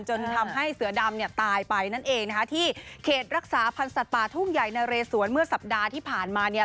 จนทำให้เสือดำตายไปนั่นเองที่เขตรักษาพันธ์สัตว์ป่าทุ่งใหญ่นะเรสวนเมื่อสัปดาห์ที่ผ่านมา